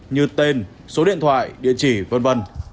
như tên số điện thoại địa chỉ v v